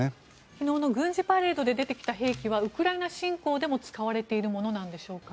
昨日の軍事パレードで出てきた兵器はウクライナ侵攻でも使われているものなんでしょうか。